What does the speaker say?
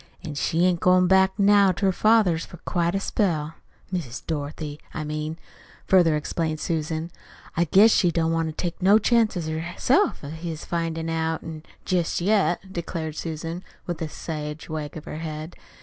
An' she ain't goin' back now to her father's for quite a spell Miss Dorothy, I mean," further explained Susan. "I guess she don't want to take no chances herself of his findin' out jest yet," declared Susan, with a sage wag of her head.